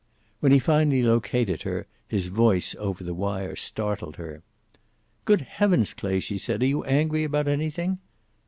When he finally located her his voice over the wire startled her. "Good heavens, Clay," she said. "Are you angry about anything?"